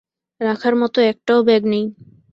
রাখার মতো একটাও ব্যাগ নেই।